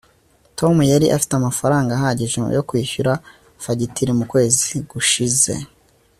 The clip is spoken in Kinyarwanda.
tom yari afite amafaranga ahagije yo kwishyura fagitire mu kwezi gushize